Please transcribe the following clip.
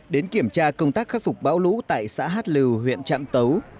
đến kiểm tra công tác khắc phục bão lũ tại xã hát lưu huyện trạm tấu